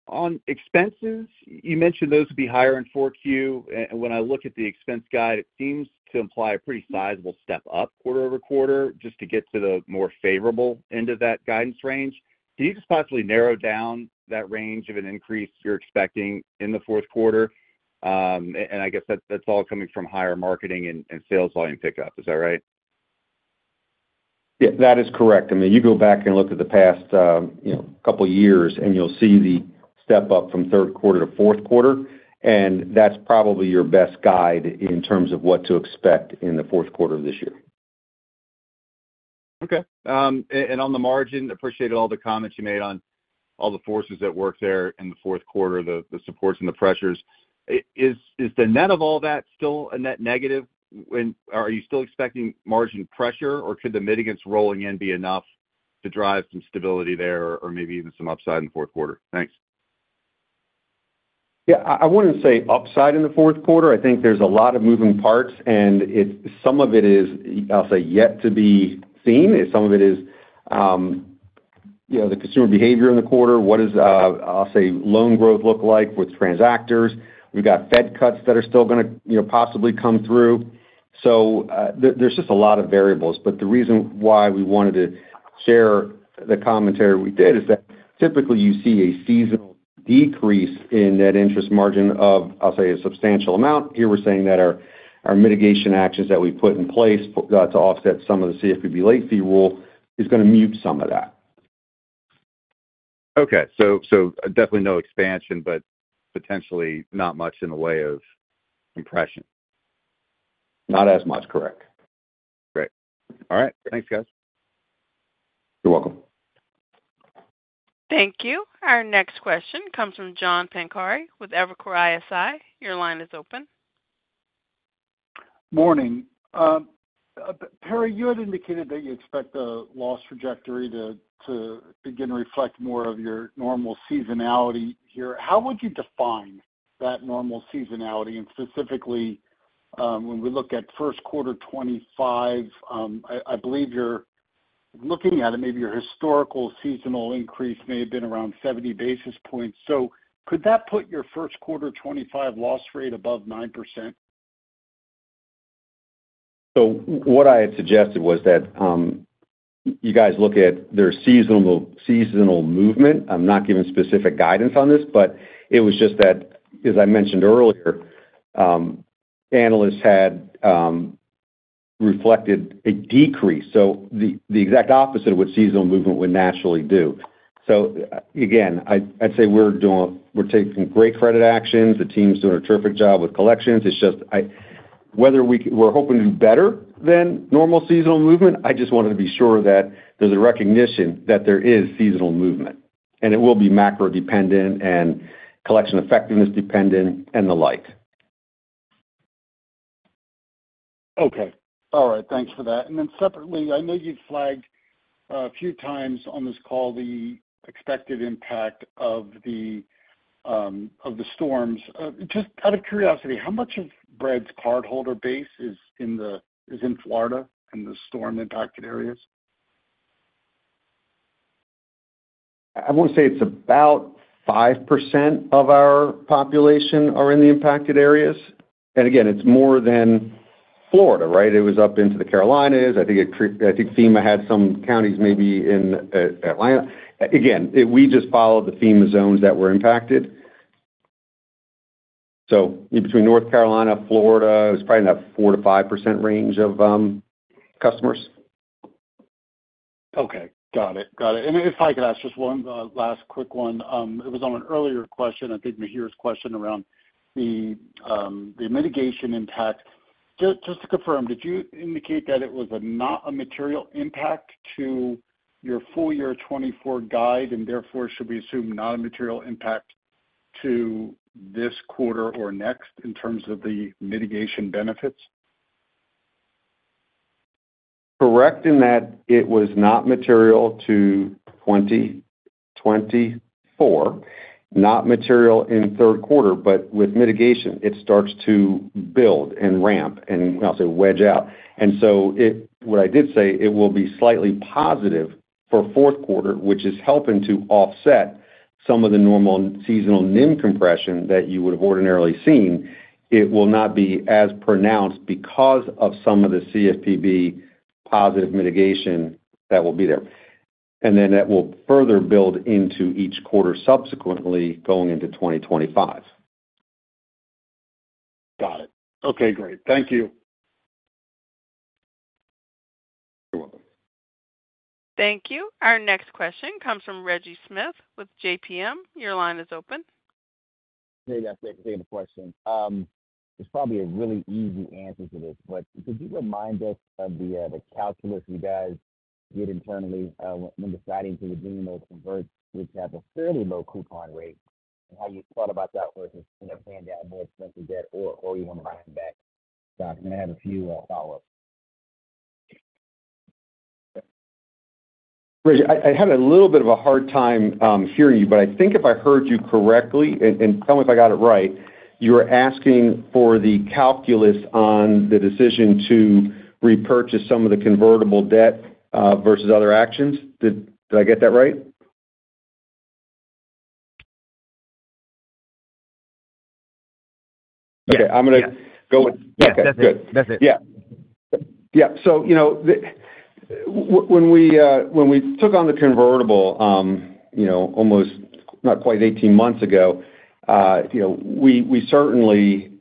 On expenses, you mentioned those would be higher in Q4, and when I look at the expense guide, it seems to imply a pretty sizable step up quarter-over-quarter, just to get to the more favorable end of that guidance range. Can you just possibly narrow down that range of an increase you're expecting in the fourth quarter? And I guess that's all coming from higher marketing and sales volume pickup. Is that right? Yeah, that is correct. I mean, you go back and look at the past, you know, couple of years, and you'll see the step up from third quarter to fourth quarter, and that's probably your best guide in terms of what to expect in the fourth quarter of this year. Okay, and on the margin, I appreciated all the comments you made on all the forces at work there in the fourth quarter, the supports and the pressures. Is the net of all that still a net negative? Are you still expecting margin pressure, or could the mitigants rolling in be enough to drive some stability there, or maybe even some upside in the fourth quarter? Thanks. Yeah, I wouldn't say upside in the fourth quarter. I think there's a lot of moving parts, and it's some of it is, I'll say, yet to be seen. Some of it is, you know, the consumer behavior in the quarter. What is, I'll say, loan growth look like with transactors? We've got Fed cuts that are still going to, you know, possibly come through. So, there's just a lot of variables. But the reason why we wanted to share the commentary we did is that typically you see a seasonal decrease in net interest margin of, I'll say, a substantial amount. Here, we're saying that our mitigation actions that we put in place to offset some of the CFPB late fee rule is going to mute some of that. Okay, so, so definitely no expansion, but potentially not much in the way of compression. Not as much, correct. Great. All right. Thanks, guys. You're welcome. Thank you. Our next question comes John Pancari with Evercore ISI Your line is open. Morning. Perry, you had indicated that you expect the loss trajectory to begin to reflect more of your normal seasonality here. How would you define that normal seasonality? And specifically, when we look at first quarter 2025, I believe you're looking at it, maybe your historical seasonal increase may have been around seventy basis points. So could that put your first quarter 2025 loss rate above 9%? So what I had suggested was that you guys look at their seasonal movement. I'm not giving specific guidance on this, but it was just that, as I mentioned earlier, analysts had reflected a decrease. So the exact opposite of what seasonal movement would naturally do. So again, I'd say we're taking great credit actions. The team's doing a terrific job with collections. It's just whether we're hoping to do better than normal seasonal movement, I just wanted to be sure that there's a recognition that there is seasonal movement, and it will be macro-dependent and collection effectiveness-dependent and the like. Okay. All right. Thanks for that. And then separately, I know you've flagged a few times on this call the expected impact of the storms. Just out of curiosity, how much of Bread's cardholder base is in Florida, in the storm-impacted areas? I want to say it's about 5% of our population are in the impacted areas. And again, it's more than Florida, right? It was up into the Carolinas. I think FEMA had some counties maybe in Atlanta. Again, we just followed the FEMA zones that were impacted. So between North Carolina, Florida, it's probably in that 4%-5% range of customers. Okay. Got it. Got it. And if I could ask just one last quick one. It was on an earlier question. I think Mihir's question around the mitigation impact. Just to confirm, did you indicate that it was not a material impact to your full year twenty-four guide, and therefore, should we assume not a material impact to this quarter or next in terms of the mitigation benefits? Correct in that it was not material to 2024, not material in third quarter, but with mitigation, it starts to build and ramp and I'll say, wedge out. And so what I did say, it will be slightly positive for fourth quarter, which is helping to offset some of the normal seasonal NIM compression that you would have ordinarily seen. It will not be as pronounced because of some of the CFPB positive mitigation that will be there. And then that will further build into each quarter, subsequently going into 2025. Got it. Okay, great. Thank you. You're welcome. Thank you. Our next question comes from Reggie Smith with JPM. Your line is open. Hey, guys. Thanks for taking the question. It's probably a really easy answer to this, but could you remind us of the calculus you guys did internally when deciding to redeem those converts, which have a fairly low coupon rate, and how you thought about that versus, you know, paying down more expensive debt or you want to buy them back? So I'm going to have a few follow-ups. Reggie, I had a little bit of a hard time hearing you, but I think if I heard you correctly, and tell me if I got it right, you're asking for the calculus on the decision to repurchase some of the convertible debt versus other actions. Did I get that right? Okay, I'm going to- Yes. Okay, good. That's it. Yeah. Yeah, so, you know, when we took on the convertible, you know, almost not quite eighteen months ago, you know, we certainly,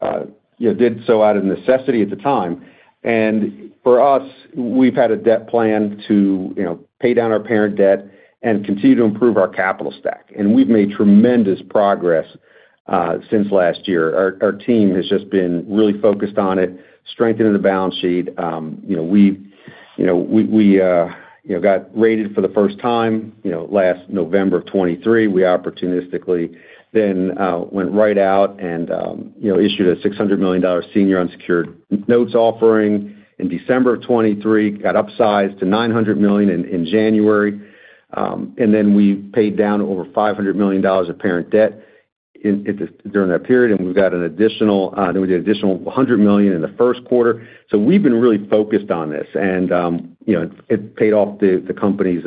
you know, did so out of necessity at the time. And for us, we've had a debt plan to, you know, pay down our parent debt and continue to improve our capital stack. And we've made tremendous progress since last year. Our team has just been really focused on it, strengthening the balance sheet. You know, we got rated for the first time, you know, last November of 2023. We opportunistically then went right out and issued a $600 million senior unsecured notes offering in December of 2023, got upsized to $900 million in January. And then we paid down over $500 million of parent debt during that period, and we've got an additional, then we did an additional $100 million in the first quarter. So we've been really focused on this, and, you know, it paid off the company's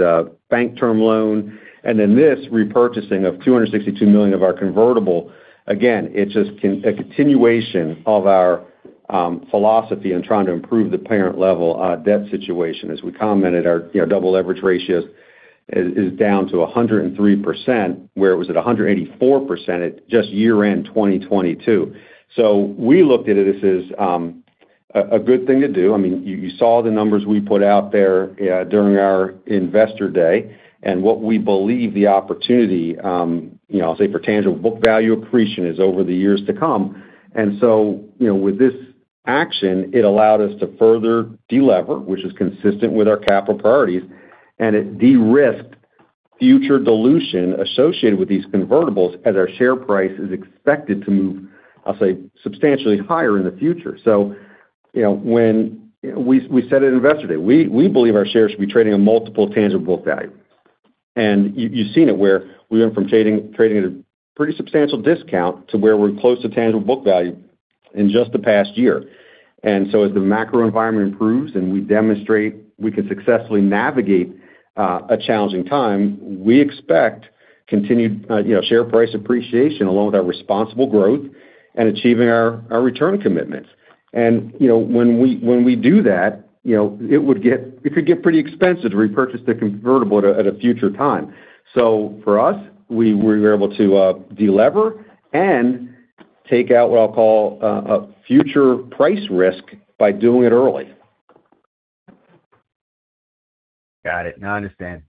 bank term loan. And then this repurchasing of $262 million of our convertible, again, it's just a continuation of our philosophy in trying to improve the parent-level debt situation. As we commented, our, you know, double leverage ratio is down to 103%, where it was at 184% at just year-end 2022. So we looked at it as a good thing to do. I mean, you saw the numbers we put out there during our investor day, and what we believe the opportunity, you know, I'll say for tangible book value accretion, is over the years to come. You know, with this action, it allowed us to further delever, which is consistent with our capital priorities, and it de-risked future dilution associated with these convertibles as our share price is expected to move, I'll say, substantially higher in the future. You know, we said it in investor day. We believe our shares should be trading a multiple tangible book value. You have seen it, where we went from trading at a pretty substantial discount to where we're close to tangible book value in just the past year. And so as the macro environment improves and we demonstrate we can successfully navigate a challenging time, we expect continued, you know, share price appreciation along with our responsible growth and achieving our, our return commitments. And, you know, when we, when we do that, you know, it would get- it could get pretty expensive to repurchase the convertible at a, at a future time. So for us, we were able to, delever and take out what I'll call, a future price risk by doing it early. Got it. Now I understand.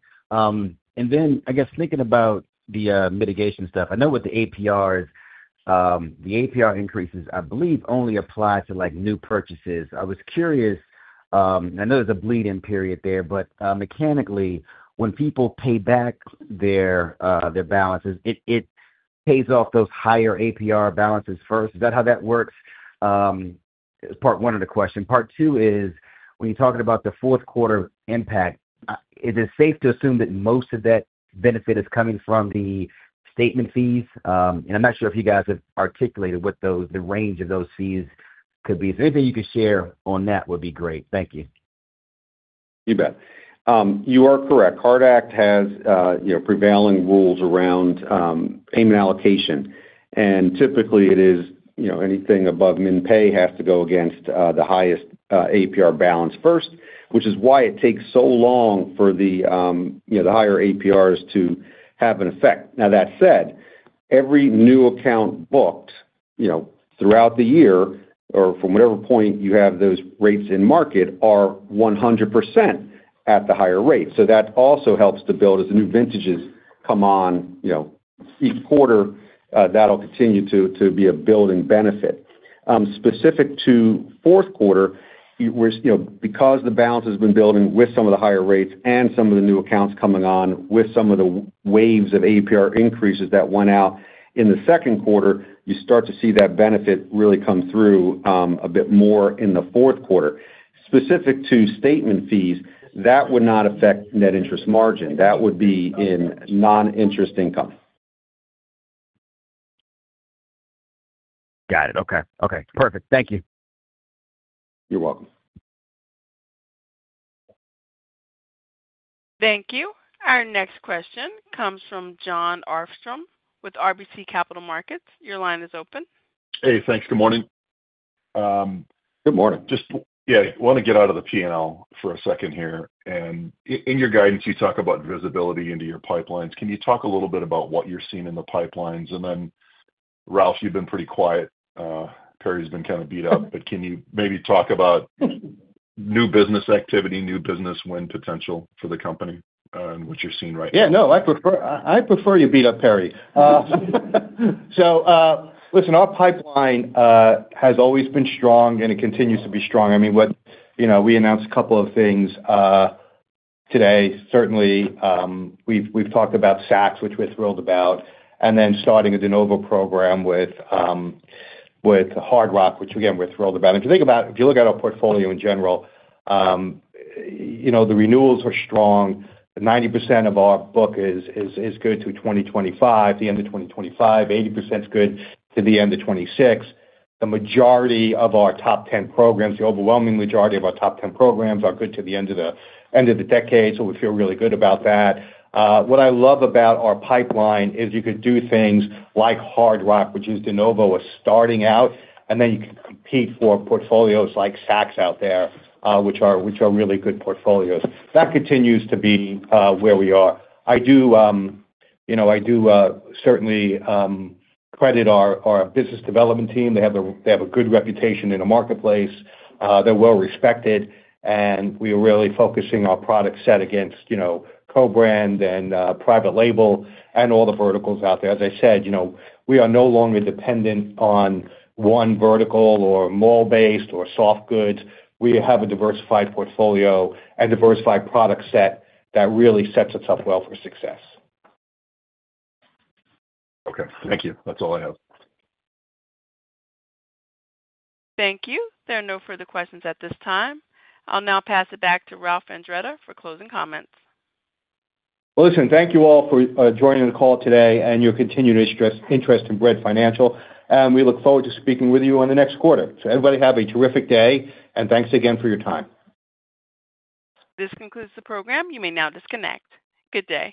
And then, I guess thinking about the mitigation stuff, I know with the APRs, the APR increases, I believe, only apply to, like, new purchases. I was curious, I know there's a bleed-in period there, but mechanically, when people pay back their balances, it pays off those higher APR balances first. Is that how that works? Part one of the question. Part two is, when you're talking about the fourth quarter impact, is it safe to assume that most of that benefit is coming from the statement fees? And I'm not sure if you guys have articulated what those, the range of those fees could be. So anything you could share on that would be great. Thank you. You bet. You are correct. Card Act has, you know, prevailing rules around, payment allocation, and typically it is, you know, anything above min pay has to go against, the highest, APR balance first, which is why it takes so long for the, you know, the higher APRs to have an effect. Now, that said, every new account booked, you know, throughout the year or from whatever point you have those rates in market, are 100% at the higher rate. So that also helps to build as the new vintages come on, you know, each quarter, that'll continue to be a building benefit. Specific to fourth quarter, it was, you know, because the balance has been building with some of the higher rates and some of the new accounts coming on, with some of the waves of APR increases that went out in the second quarter, you start to see that benefit really come through, a bit more in the fourth quarter. Specific to statement fees, that would not affect net interest margin. That would be in non-interest income. ... Got it. Okay. Okay, perfect. Thank you. You're welcome. Thank you. Our next question comes from John Arfstrom with RBC Capital Markets. Your line is open. Hey, thanks. Good morning. Good morning. Just, yeah, want to get out of the P&L for a second here, and in your guidance, you talk about visibility into your pipelines. Can you talk a little bit about what you're seeing in the pipelines? And then, Ralph, you've been pretty quiet. Perry's been kind of beat up, but can you maybe talk about new business activity, new business win potential for the company, and what you're seeing right now? Yeah, no, I prefer, I, I prefer you beat up Perry. So, listen, our pipeline has always been strong, and it continues to be strong. I mean, what... You know, we announced a couple of things today. Certainly, we've talked about Saks, which we're thrilled about, and then starting a de novo program with Hard Rock, which again, we're thrilled about. If you think about. If you look at our portfolio in general, you know, the renewals are strong. 90% of our book is good through 2025, the end of 2025. 80% is good to the end of 2026. The majority of our top ten programs, the overwhelming majority of our top ten programs, are good to the end of the decade, so we feel really good about that. What I love about our pipeline is you could do things like Hard Rock, which is de novo, are starting out, and then you can compete for portfolios like Saks out there, which are really good portfolios. That continues to be where we are. I do, you know, certainly credit our business development team. They have a good reputation in the marketplace. They're well respected, and we are really focusing our product set against, you know, co-brand and private label and all the verticals out there. As I said, you know, we are no longer dependent on one vertical or mall-based or soft goods. We have a diversified portfolio and diversified product set that really sets us up well for success. Okay. Thank you. That's all I have. Thank you. There are no further questions at this time. I'll now pass it back to Ralph Andretta for closing comments. Listen, thank you all for joining the call today and your continued interest in Bread Financial, and we look forward to speaking with you on the next quarter. Everybody have a terrific day, and thanks again for your time. This concludes the program. You may now disconnect. Good day.